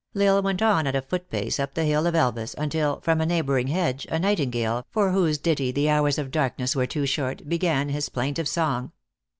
L Isle went on at a 352 THE ACTRESS IN HIGH LIFE. foot pace up the hill of Elvas, until, from a neighbor ing hedge, a nightingale, for whose ditty the hours of darkness were too short, began his plaintive song.